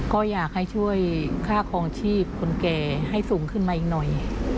ก็อยากให้ช่วยค่าคลองชีพคนแก่ให้สูงขึ้นมาอีกหน่อย